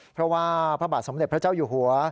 เพราะว่าพระบาทสมเด็จพระเจ้าอยู่หัว